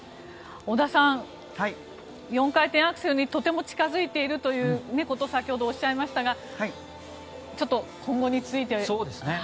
織田さんは４回転アクセルにとても近づいているということを先ほどおっしゃいましたが今後について。